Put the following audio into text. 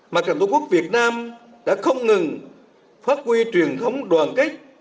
mặt trận tổ quốc việt nam đã không ngừng phát huy truyền thống đoàn kết